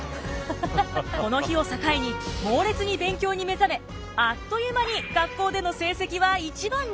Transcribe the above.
この日を境に猛烈に勉強に目覚めあっという間に学校での成績は１番に！